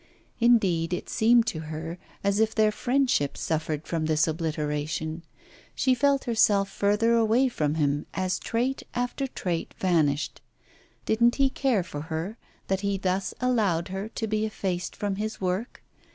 Indeed it seemed to her as if their friendship suffered from this obliteration; she felt herself further away from him as trait after trait vanished. Didn't he care for her that he thus allowed her to be effaced from his work?